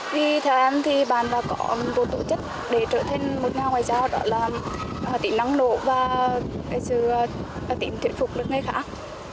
vì theo em thì bạn đã có một tổ chức để trở thành một nhà ngoại giao đó là tính năng lộ và tính thuyền phục được người khác